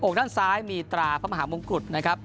ด้านซ้ายมีตราพระมหามงกุฎนะครับ